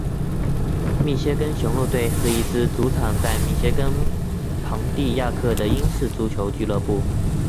密歇根雄鹿队是一支主场在密歇根庞蒂亚克的英式足球俱乐部。